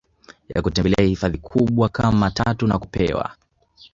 ya kutembelea hifadhi kubwa kama tatu nakupewa